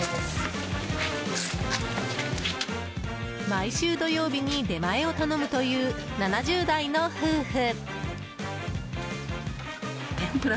毎週土曜日に出前を頼むという７０代の夫婦。